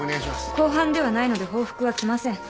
公判ではないので法服は着ません。